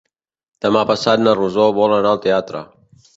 Demà passat na Rosó vol anar al teatre.